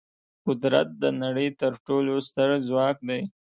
قدرت د نړۍ تر ټولو ستر ځواک دی.